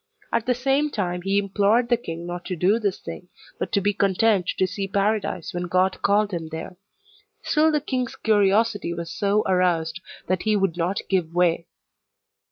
At the same time he implored the king not to do this thing, but to be content to see Paradise when God called him there. Still the king's curiosity was so aroused that he would not give way.